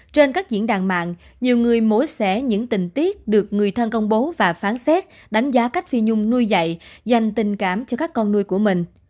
trên các diễn đàn mạng nhiều người mối sẻ những tình tiết được người thân công bố và phán xét đánh giá cách phi nhung nuôi dạy dành tình cảm cho các con nuôi của mình